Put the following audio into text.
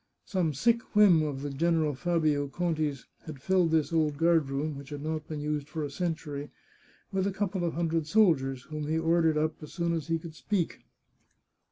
Some sick whim of General Fabio Conti's had filled this old guard room, which had not been used for a century, with a couple of hundred soldiers, whom he ordered up as soon as he could speak.